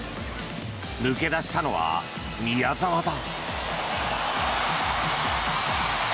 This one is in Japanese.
抜け出したのは宮澤だ。